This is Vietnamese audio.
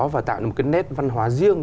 và tạo nên một nét văn hóa riêng